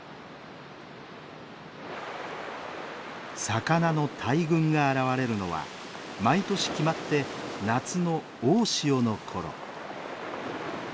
魚の大群が現れるのは毎年決まって夏の大潮のころ。